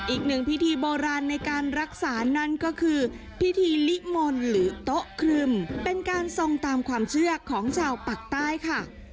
อีกหนึ่งพิธีโบราณในการรักษานั่นก็คือพิธีลิมนต์หรือโต๊ะครึมเป็นการทรงตามความเชื่อของชาวปากใต้ค่ะ